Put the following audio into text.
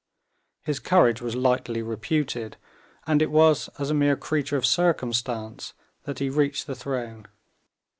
His courage was lightly reputed, and it was as a mere creature of circumstance that he reached the throne.